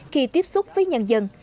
khi tiếp xúc với các hộ dân